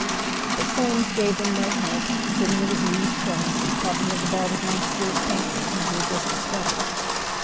But Soames gave them no help, sitting with his knees crossed, talking of the Barbizon school of painters, whom he had just discovered.